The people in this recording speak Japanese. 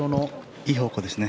いい方向ですね。